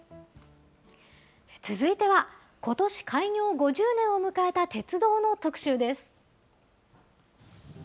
続いては、ことし開業５０年を迎えた鉄道の特集です。